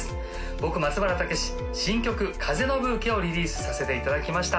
僕松原健之新曲「風のブーケ」をリリースさせていただきました